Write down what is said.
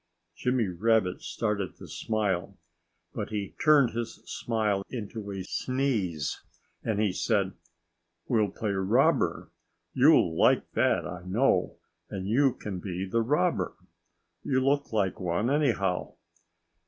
Jimmy Rabbit started to smile. But he turned his smile into a sneeze. And he said "We'll play robber. You'll like that, I know. And you can be the robber. You look like one, anyhow."